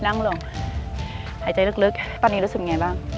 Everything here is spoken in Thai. นั่งลงหายใจลึกตอนนี้รู้สึกยังไงบ้าง